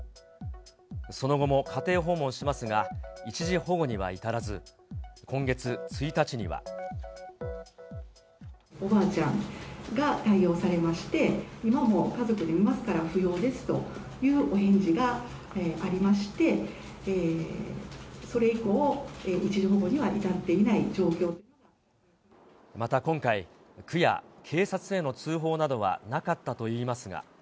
その後も家庭訪問しますが、一時保護には至らず、今月１日には。おばあちゃんが対応されまして、今はもう家族で見ますから、不要ですというお返事がありまして、それ以降、一時保護には至っまた今回、区や警察への通報などはなかったといいますが。